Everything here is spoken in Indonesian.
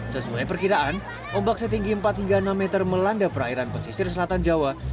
sesuai perkiraan ombak setinggi empat hingga enam meter melanda perairan pesisir selatan jawa